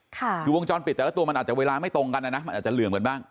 คือวงจรปิดแต่ละตัวมันอาจจะเวลาไม่ตรงกันนะนะมันอาจจะเหลื่อมกันบ้าง